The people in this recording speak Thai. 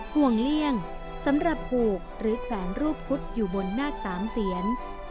ห่วงเลี่ยงสำหรับผูกหรือแขวนรูปพุทธอยู่บนนาคสามเซียน